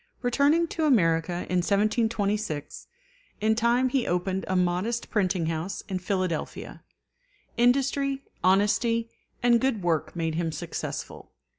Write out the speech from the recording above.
Returning to America in 1726, in time he opened a modest printing house in Philadelphia. Industry, honesty, and good work made him successful.